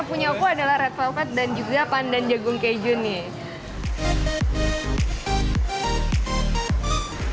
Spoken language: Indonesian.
punya aku adalah red velvet dan juga pandan jagung keju nih